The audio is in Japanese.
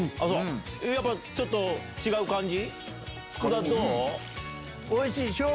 やっぱちょっと違う感じ？